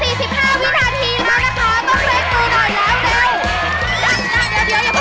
๓นาที๔๕วินาทีแล้วนะคะต้องเล่มกูหน่อยแล้วเร็ว